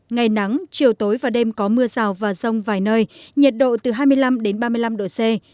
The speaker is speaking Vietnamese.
ngày nắng chiều tối và đêm có mưa rào và rông vài nơi nhiệt độ từ hai mươi năm ba mươi năm độ c